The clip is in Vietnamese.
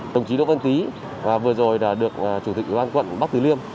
đồng chí đỗ vân tý vừa rồi được chủ tịch lực lượng quận bắc thứ liêm